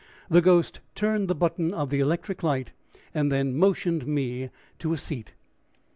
The ghost turned the button of the electric light, and then motioned me to a seat.